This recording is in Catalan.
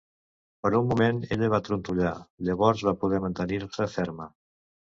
Per un moment ella va trontollar; llavors va poder mantenir-se ferme.